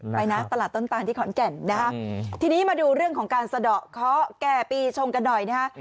ไปนะตลาดต้นตานที่ขอนแก่นนะฮะทีนี้มาดูเรื่องของการสะดอกเคาะแก่ปีชงกันหน่อยนะฮะ